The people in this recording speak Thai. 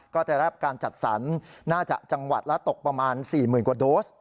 ก็จะได้รับการจัดสรรหน้าจากจังหวัดและตกประมาณ๔๐๐๐๐โดส